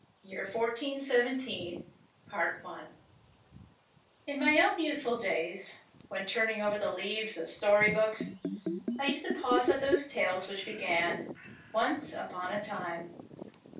52 The Princess Wins 1417 I N MY OWN YOUTH ful days, when turning over the leaves of story books, I used to pause at those tales which began ^^Once upon a time.